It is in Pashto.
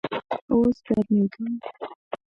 اوس ګرمیږم